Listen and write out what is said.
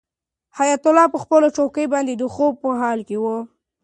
حیات الله په خپله چوکۍ باندې د خوب په حال کې و.